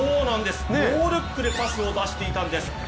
ノールックでパスを出していたんです。